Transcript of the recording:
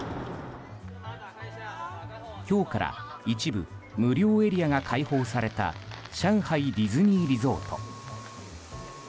今日から一部無料エリアが開放された上海ディズニーリゾート。